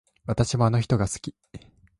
私もあの人が好き